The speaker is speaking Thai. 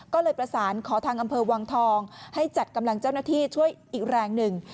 ก็เลยประสานขอทางอำเภอวังทองให้จัดกำลังเจ้าหน้าที่ช่วยอีกแรงหนึ่ง